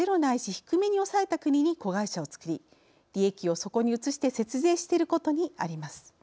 低めに抑えた国に子会社を作り利益をそこに移して節税していることにあります。